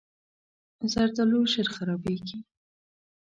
زردالو ژر خرابېږي.